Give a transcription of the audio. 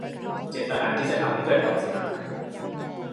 เจตนาที่จะทำให้เกิดความเสียหาย